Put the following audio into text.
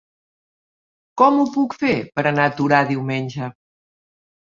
Com ho puc fer per anar a Torà diumenge?